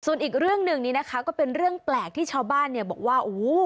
ส่วนอีกเรื่องหนึ่งนี้นะคะก็เป็นเรื่องแปลกที่ชาวบ้านเนี่ยบอกว่าโอ้โห